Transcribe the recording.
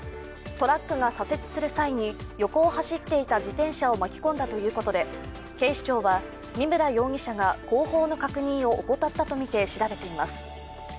トラックが左折する際に横を走っていた自転車を巻き込んだということで警視庁は、見村容疑者が後方の確認を怠ったとみて調べています。